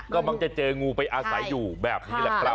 ก็มักจะเจองูไปอาศัยอยู่แบบนี้แหละครับ